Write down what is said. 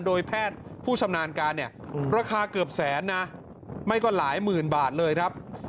โดยแพทย์ผู้ชำนาญการเนี่ยราคาเกือบแสนนะไม่ก็หลายหมื่นบาทเลยครับ